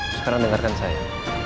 sekarang dengarkan saya